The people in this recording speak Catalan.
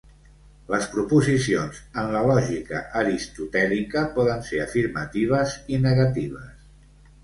Les proposicions en la lògica aristotèlica poden ser afirmatives i negatives.